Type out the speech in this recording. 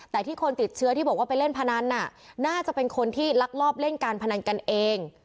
แต่ที่คนติดเชื้อที่บอกว่าไปเล่นพนันน่าจะเป็นคนที่ลักลอบเล่นการพนันกันเอง